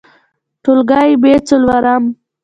ټولګى : ب څلورم